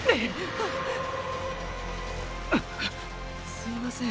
すいません